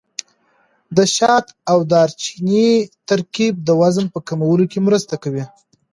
د شات او دارچیني ترکیب د وزن په کمولو کې مرسته کوي.